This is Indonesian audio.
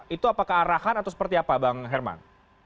itu apa kearahan atau seperti apa bang herman